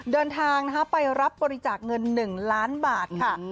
เดินทางไปรับบริจาคเงิน๑ล้านบาทค่ะ